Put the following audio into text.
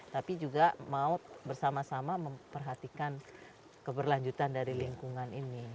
tapi juga mau bersama sama memperhatikan keberlanjutan dari lingkungan ini